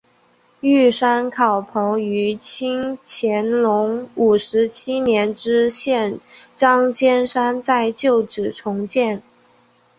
玉山考棚于清乾隆五十七年知县张兼山在旧址重建。